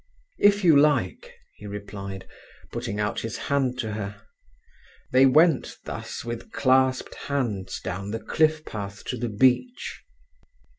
"If you like," he replied, putting out his hand to her. They went thus with clasped hands down the cliff path to the beach.